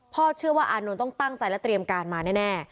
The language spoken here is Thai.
เชื่อว่าอานนท์ต้องตั้งใจและเตรียมการมาแน่